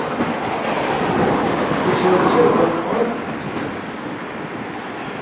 Ufiɣ lfayda meqqren deg udlis-a.